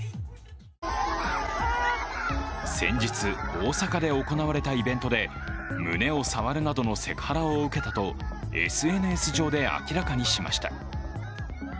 先日大阪で行われたイベントで胸を触るなどのセクハラを受けたとＳＮＳ上で明らかにしました。